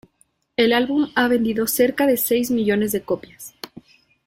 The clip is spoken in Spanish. El álbum ha vendido cerca de seis millones de copias.